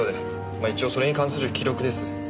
まあ一応それに関する記録です。